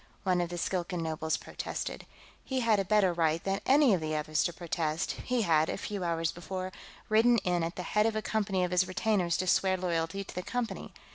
one of the Skilkan nobles protested. He had a better right than any of the others to protest; he had, a few hours before, ridden in at the head of a company of his retainers to swear loyalty to the Company.